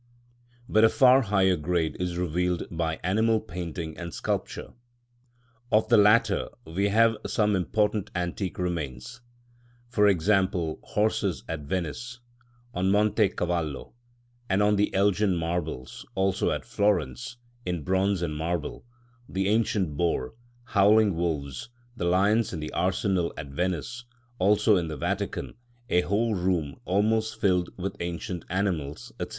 But a far higher grade is revealed by animal painting and sculpture. Of the latter we have some important antique remains; for example, horses at Venice, on Monte Cavallo, and on the Elgin Marbles, also at Florence in bronze and marble; the ancient boar, howling wolves, the lions in the arsenal at Venice, also in the Vatican a whole room almost filled with ancient animals, &c.